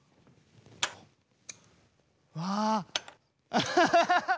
アッハハハ！